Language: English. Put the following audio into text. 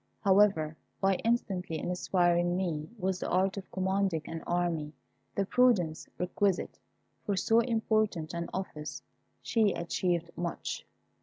However, by instantly inspiring me with the art of commanding an army, and the prudence requisite for so important an office, she achieved much.